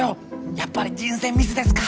やっぱり人選ミスですか？